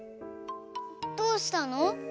どうしたの？